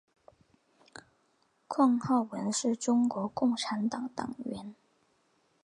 况浩文是中国共产党党员。